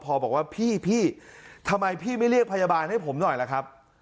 พอบอกว่าพี่ทำไมพี่ไม่เรียกพยาบาลให้ผมหน่อยล่ะครับ